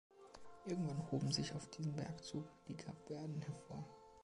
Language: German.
Irgendwann hoben sich auf diesem Bergzug die Kapverden hervor.